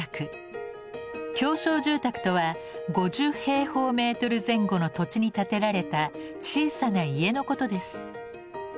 狭小住宅とは５０前後の土地に建てられた小さな家のことです。